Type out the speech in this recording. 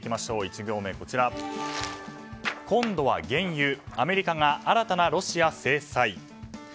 １行目、今度は原油アメリカが新たなロシア制裁。